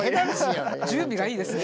準備がいいですね。